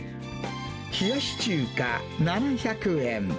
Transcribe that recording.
冷やし中華７００円。